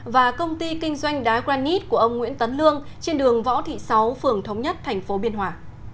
và công ty kinh doanh đá granite của ông nguyễn tấn lương trên đường võ thị sáu phường thống nhất tp biên hòa